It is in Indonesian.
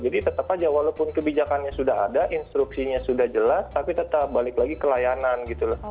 jadi tetap aja walaupun kebijakannya sudah ada instruksinya sudah jelas tapi tetap balik lagi ke layanan gitu loh